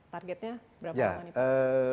targetnya berapa lama nih pak